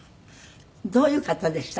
どういう方でした？